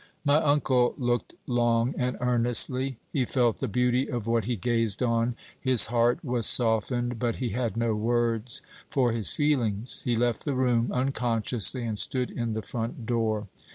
My uncle looked long and earnestly. He felt the beauty of what he gazed on; his heart was softened, but he had no words for his feelings. He left the room unconsciously, and stood in the front door.